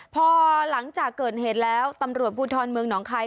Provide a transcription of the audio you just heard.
พอหลังจากเกิดเหตุแล้วตำรวจภูทรเมืองหนองคาย